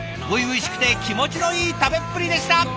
初々しくて気持ちのいい食べっぷりでした！